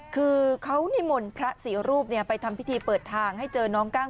คือเขานิมนต์พระสี่รูปไปทำพิธีเปิดทางให้เจอน้องกั้ง